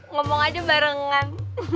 ngomong aja barengan